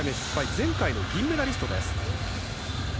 前回の銀メダリストです。